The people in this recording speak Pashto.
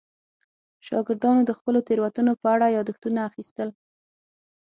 شاګردانو د خپلو تېروتنو په اړه یادښتونه اخیستل.